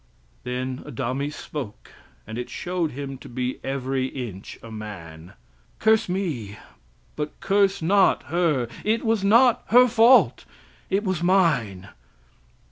Then Adami spoke and it showed him to be every inch a man "Curse me, but curse not her; it was not her fault, it was mine."